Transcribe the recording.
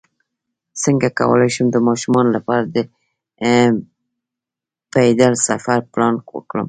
څنګه کولی شم د ماشومانو لپاره د پیدل سفر پلان کړم